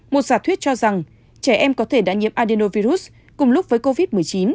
một giả thuyết cho rằng trẻ em có thể đã nhiễm adenovirus cùng lúc với covid một mươi chín